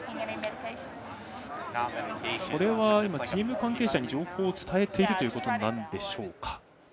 チーム関係者に情報を伝えているということなんでしょうか。